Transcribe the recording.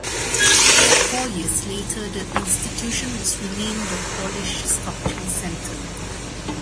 Four years later, the institution was renamed the "Polish Sculpture Center".